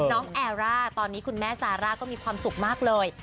แอร่าตอนนี้คุณแม่ซาร่าก็มีความสุขมากเลย